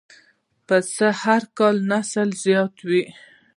پسه هر کال نسل زیاتوي.